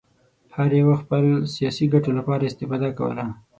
هر یوه د خپلو سیاسي ګټو لپاره استفاده کوله.